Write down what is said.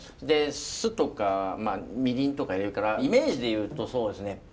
で酢とかみりんとか入れるからイメージでいうとそうですね